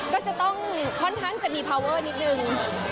ก็จะต้องค่อนข้างจะมีพาวเวอร์นิดนึง